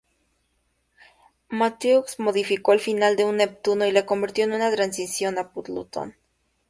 Matthews modificó el final de Neptuno y lo convirtió en una transición a Plutón.